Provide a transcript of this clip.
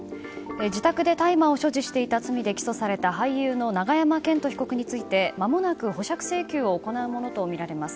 自宅で大麻を所持していた疑いで起訴された俳優の永山絢斗被告についてまもなく保釈請求を行うものとみられます。